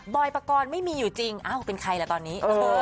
ประกอบไม่มีอยู่จริงอ้าวเป็นใครล่ะตอนนี้